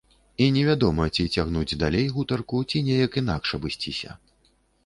І невядома, ці цягнуць далей гутарку, ці неяк інакш абысціся.